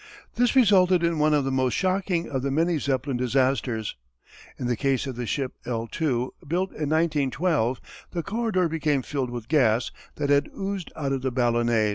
This resulted in one of the most shocking of the many Zeppelin disasters. In the case of the ship L II., built in 1912, the corridor became filled with gas that had oozed out of the ballonets.